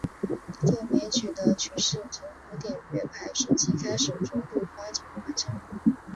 奏鸣曲的曲式从古典乐派时期开始逐步发展完善。